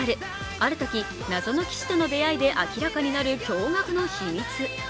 あるとき、謎の騎士との出会いで明らかになる驚がくの秘密。